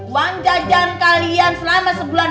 uang jajan kalian selama sebulan